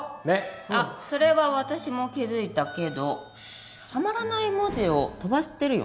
あっそれは私も気付いたけどはまらない文字を飛ばしてるよね。